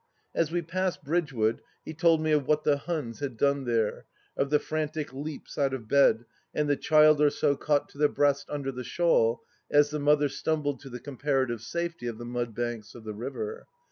As we passed Bridgewood, he told me of what the Huns had done there: of the frantic leaps out of bed, and the child or so caught to the breast under the shawl as the mother stumbled to the comparative safety of the mud banks of the river.